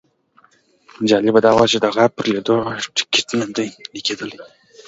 جالبه دا وه چې د غار پر لیدلو ټیکټ نه دی لګېدلی.